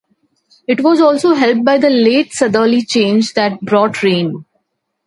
It was also helped by a late Southerly Change that brought rain.